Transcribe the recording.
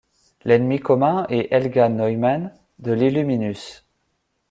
L'ennemi commun est Helga Neumann, de l'Illuminus.